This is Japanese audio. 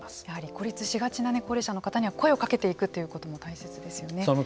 孤立しがちな高齢者の方には声をかけていくということも大切ですよね。